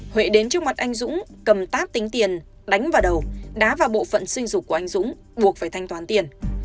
huệ đến trước mặt anh dũng cầm táp tính tiền đánh vào đầu đá vào bộ phận sinh dục của anh dũng buộc phải thanh toán tiền